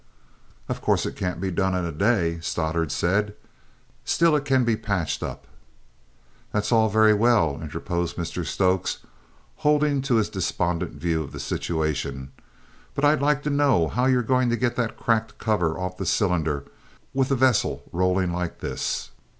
"Of course it can't be done in a day!" Stoddart said; "still it can be patched up." "That's all very well," interposed Mr Stokes, holding to his despondent view of the situation. "But I'd like to know how you're going to get that cracked cover off the cylinder with the vessel rolling like this!"